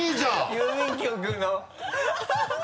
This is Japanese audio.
郵便局の